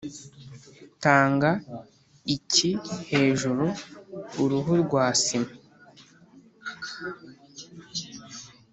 (tanga, icyi, hejuru), uruhu rwa sima,